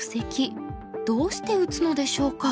どうして打つのでしょうか？